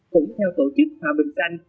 cũng theo tổ chức hòa bình thanh